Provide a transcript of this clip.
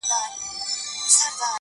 o دده مخ د نمکينو اوبو ډنډ سي،